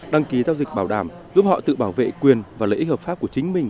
đăng ký giao dịch bảo đảm giúp họ tự bảo vệ quyền và lợi ích hợp pháp của chính mình